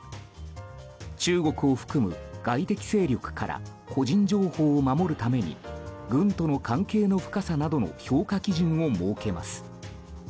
中国を含む外的勢力から個人情報を守るために軍との関係の深さなどの評価基準を設けます。